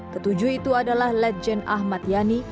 ketujuh itu adalah ledjen ahmad yani